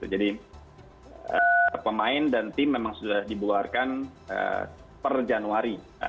jadi pemain dan tim memang sudah dibuarkan per januari